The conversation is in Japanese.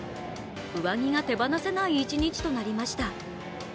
上着が手放せない一日となりました。